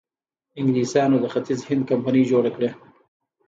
انګلیسانو د ختیځ هند کمپنۍ جوړه کړه.